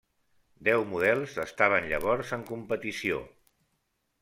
Deu models estaven llavors en competició.